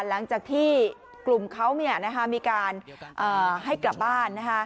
หลังจากที่กลุ่มเขามีการให้กลับบ้าน